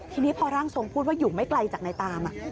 ทีนี้พอร่างทรงพูดว่าอยู่ไม่ไกลจากนายตาม